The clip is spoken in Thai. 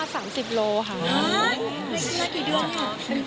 เฮ้ยไม่เครียดรูป